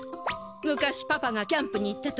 昔パパがキャンプにいった時。